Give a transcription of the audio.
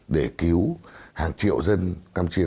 để cứu hàng triệu dân campuchia